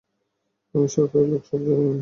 আমি সরকারি লোক, সব জানি আমি।